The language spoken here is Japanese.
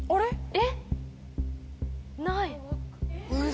えっ？ない。